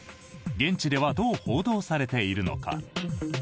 現地ではどう報道されているのか。